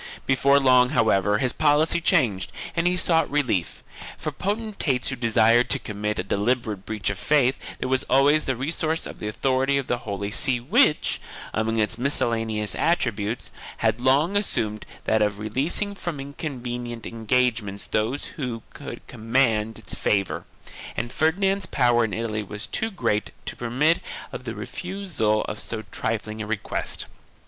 3 Before long however his policy changed and he sought relief. For potentates who desired to commit a deliberate breach of faith there was always the resource of the authority of the Holy See which, among its miscellaneous attributes, had long assumed that of releasing from inconvenient engagements those who could command its favor, and Ferdinand's power in Italy was too great to permit of the refusal of so trifling a request.